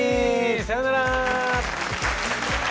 さよなら！